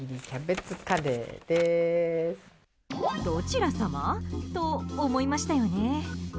どちら様？と思いましたよね？